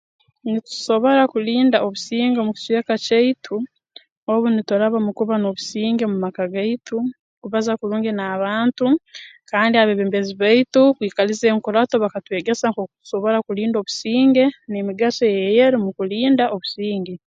Nitusobora kulinda obusinge omu kicweka kyaitu obu nituraba mu kuba n'obusinge mu maka gaitu kubaza kurungi n'abantu kandi abeebembezi baitu kwikaliza enkurato bakatwegesa nk'oku tusobora kulinda obusinge n'emigaso eyeeri mu kulinda obusinge